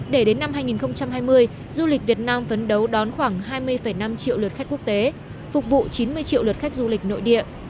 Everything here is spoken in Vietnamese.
để đến năm hai nghìn hai mươi du lịch việt nam phấn đấu đón khoảng hai mươi năm triệu lượt khách quốc tế phục vụ chín mươi triệu lượt khách du lịch nội địa